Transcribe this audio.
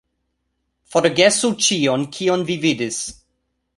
Forgesu ĉion kion vi vidis